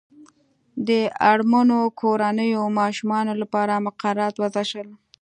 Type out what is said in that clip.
د اړمنو کورنیو ماشومانو لپاره مقررات وضع شول.